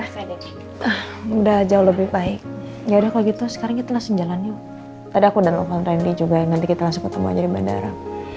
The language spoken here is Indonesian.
hai assalamualaikum waalaikum salam gimana udah jauh lebih baik ya udah kalau gitu sekarang kita langsung jalan yuk tadi aku dan lo sama randy juga nanti kita langsung ketemu aja di bandara